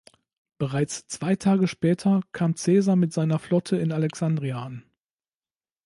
Bereits zwei Tage später kam Caesar mit seiner Flotte in Alexandria an.